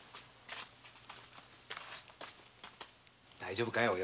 大丈夫か？